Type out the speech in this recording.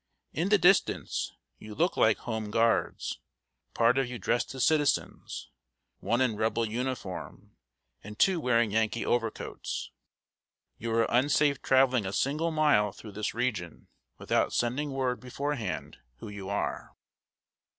In the distance you look like Home Guards part of you dressed as citizens, one in Rebel uniform, and two wearing Yankee overcoats. You are unsafe traveling a single mile through this region, without sending word beforehand who you are."